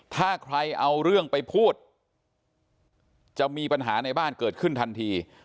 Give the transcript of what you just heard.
ถ้าใครเอาเรื่องไปพูดจะมีปัญหาในบ้านเกิดขึ้นทันที